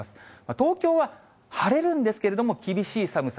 東京は晴れるんですけれども、厳しい寒さ。